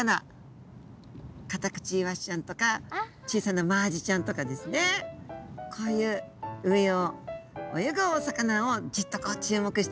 カタクチイワシちゃんとか小さなマアジちゃんとかですねこういう上を泳ぐお魚をジッとこう注目してるんですね。